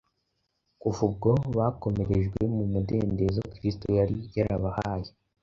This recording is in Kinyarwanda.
Kuva ubwo bakomerejwe mu mudendezo Kristo yari yarabahaye